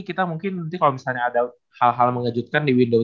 kita mungkin nanti kalo misalnya ada hal hal mengejutkan di windows tiga